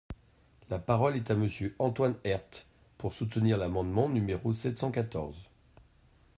La parole est à Monsieur Antoine Herth, pour soutenir l’amendement numéro sept cent quatorze.